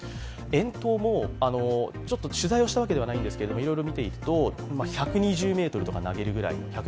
遠投も取材をしたわけではないんですが、いろいろ見ていくと１２０ｍとか投げるぐらい。